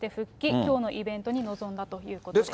きょうのイベントに臨んだということです。